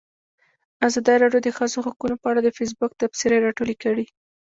ازادي راډیو د د ښځو حقونه په اړه د فیسبوک تبصرې راټولې کړي.